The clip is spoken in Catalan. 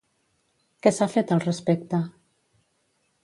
Què s'ha fet al respecte?